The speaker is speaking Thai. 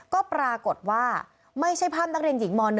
ก็ปรากฏว่าไม่ใช่ภาพนักเรียนหญิงม๑